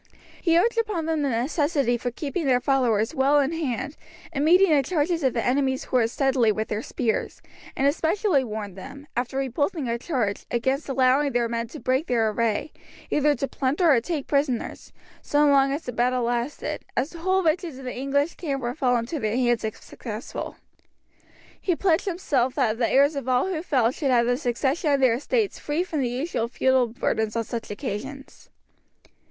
He urged upon them the necessity for keeping their followers well in hand, and meeting the charges of the enemy's horse steadily with their spears; and especially warned them, after repulsing a charge, against allowing their men to break their array, either to plunder or take prisoners, so long as the battle lasted, as the whole riches of the English camp would fall into their hands if successful. He pledged himself that the heirs of all who fell should have the succession of their estates free from the usual feudal burdens on such occasions.